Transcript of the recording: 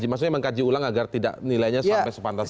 maksudnya mengkaji ulang agar tidak nilainya sampai sepantas